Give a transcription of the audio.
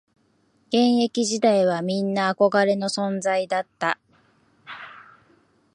現役時代はみんな憧れの存在だった